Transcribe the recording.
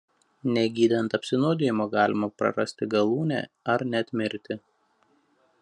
Negydant apsinuodijimo galima prarasti galūnę ar net mirti.